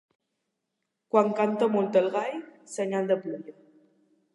Quan canta molt el gall, senyal de pluja.